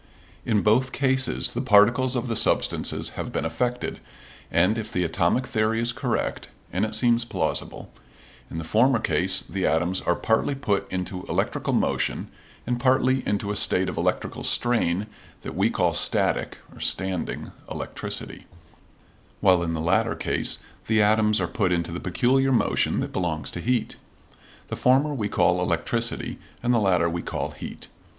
In both cases the particles of the substances have been affected, and if the atomic theory is correct and it seems plausible in the former case the atoms are partly put into electrical motion and partly into a state of electrical strain that we call static (standing) electricity; while in the latter case the atoms are put into the peculiar motion that belongs to heat. The former we call electricity, and the latter we call heat.